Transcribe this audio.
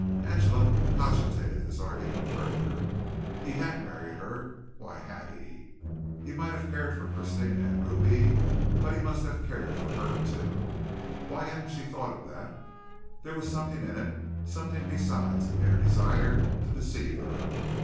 Angela cogitated this argument further. He had married her! Why had he? He might have cared for Christina and Ruby, but he must have cared for her too. Why hadn't she thought of that? There was something in it something besides a mere desire to deceive her.